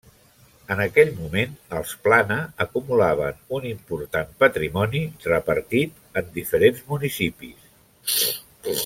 En aquell moment els Plana acumulaven un important patrimoni repartit en diferents municipis.